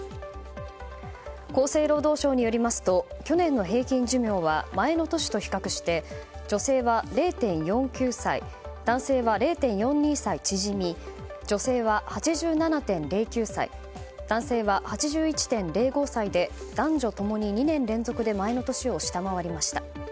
厚生労働省によりますと去年の平均寿命は前の年と比較して女性は０．４９歳男性は０．４２歳縮み女性は８７．０９歳男性は８１．０５歳で男女ともに２年連続で前の年を下回りました。